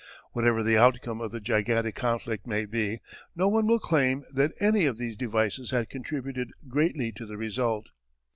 Whatever the outcome of the gigantic conflict may be, no one will claim that any of these devices had contributed greatly to the result.